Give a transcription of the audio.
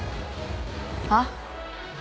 はっ？